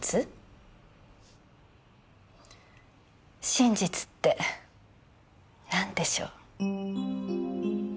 真実ってなんでしょう？